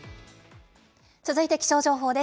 続いて気象情報です。